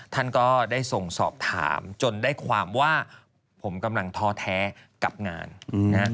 ท่านก็ได้ส่งสอบถามจนได้ความว่าผมกำลังท้อแท้กับงานนะ